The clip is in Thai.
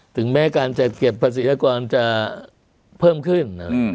ถึงแม้การจัดเก็บภาษีอากรจะเพิ่มขึ้น